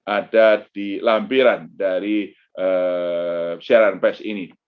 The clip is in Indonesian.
ada di lampiran dari siaran pes ini